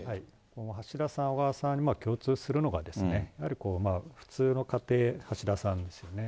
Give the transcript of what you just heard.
この橋田さん、小川さんに共通するのが、やはり普通の家庭、橋田さんですよね。